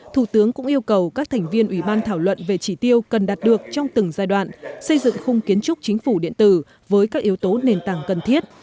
thủ tướng cũng yêu cầu các thành viên ủy ban thảo luận về chỉ tiêu cần đạt được trong từng giai đoạn xây dựng khung kiến trúc chính phủ điện tử với các yếu tố nền tảng cần thiết